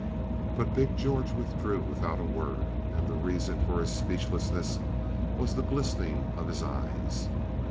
But big George withdrew without a word, and the reason for his speechlessness was the glistening of his eyes.